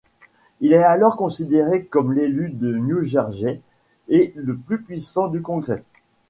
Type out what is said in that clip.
Il est alors considéré comme l'élu du New Jersey le plus puissant du Congrès.